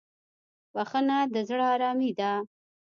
بخښنه د زړه ارامي ده.